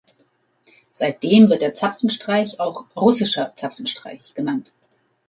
Seitdem wird der Zapfenstreich auch "Russischer Zapfenstreich" genannt.